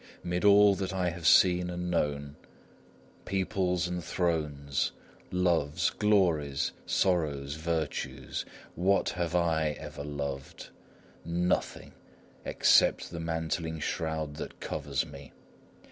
'Mid all that I have seen and known, peoples and thrones, loves, glories, sorrows, virtues what have I ever loved? Nothing except the mantling shroud that covers me!